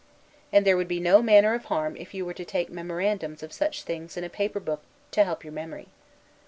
And there would be no manner of harm if you were to take memorandums of such things in a paper book to help your memory.